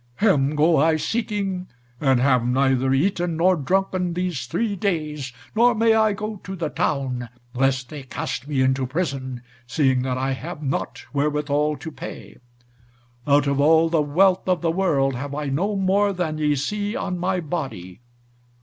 Him go I seeking, and have neither eaten nor drunken these three days, nor may I go to the town, lest they cast me into prison, seeing that I have not wherewithal to pay. Out of all the wealth of the world have I no more than ye see on my body.